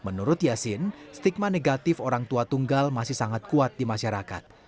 menurut yasin stigma negatif orang tua tunggal masih sangat kuat di masyarakat